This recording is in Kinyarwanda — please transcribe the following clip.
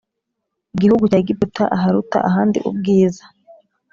Gihugu cya egiputa aharuta ahandi ubwiza